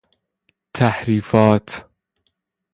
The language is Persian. تحریفات